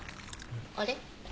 あれ？